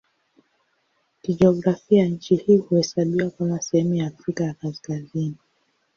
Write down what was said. Kijiografia nchi hii huhesabiwa kama sehemu ya Afrika ya Kaskazini.